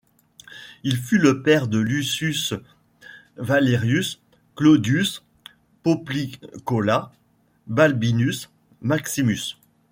Il fut le père de Lucius Valerius Claudius Poplicola Balbinus Maximus.